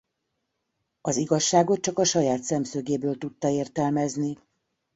Az igazságot csak a saját szemszögéből tudta értelmezni.